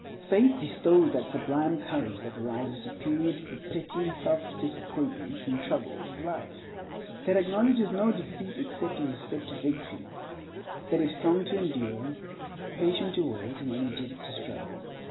Faith bestows that sublime courage that rises superior to the petty and selfish disappointments and troubles of life, that acknowledges no defeat except as a step to victory; that is strong to endure, patient to wait, and energetic to struggle.